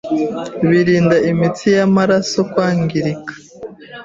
birinda imitsi y’amaraso kwangirika ,